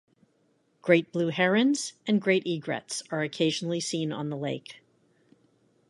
Great blue herons and great egrets are occasionally seen on the lake.